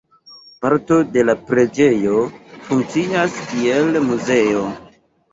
Parto de la preĝejo funkcias kiel muzeo.